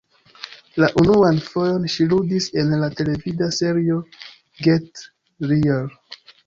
La unuan fojon ŝi ludis en la televida serio "Get Real".